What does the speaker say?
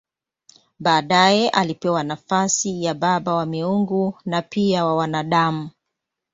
Baadaye alipewa nafasi ya baba wa miungu na pia wa wanadamu.